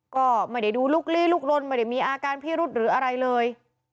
ก็ไม่ได้ดูลุกลี้ลุกลนไม่ได้มีอาการพิรุษหรืออะไรเลย